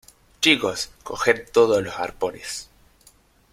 chicos, coged todos los arpones